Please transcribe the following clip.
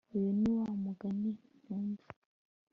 uyu ni wa mugani ntumva